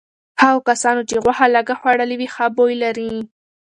هغو کسانو چې غوښه لږه خوړلي ښه بوی لري.